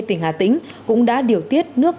tỉnh hà tĩnh cũng đã điều tiết nước